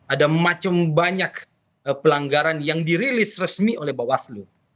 ada macam banyak pelanggaran yang dirilis resmi oleh bawaslu